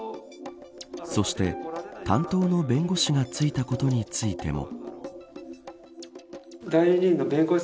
そして担当の弁護士がついたことについても。